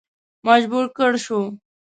مجبور کړه شو.